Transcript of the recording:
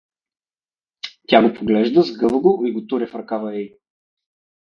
Тя го поглежда, сгъва го и го туря в ръкава ей.